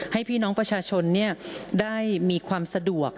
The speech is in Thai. ให้พี่น้องประชาชนได้มีความสะดวก